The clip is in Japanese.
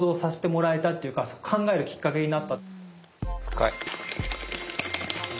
深い。